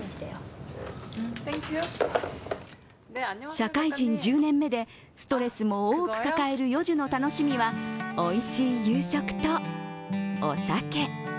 社会人１０年目でストレスも多く抱えるヨジュの楽しみなおいしい夕食と、お酒。